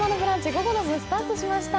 午後の部、スタートしました。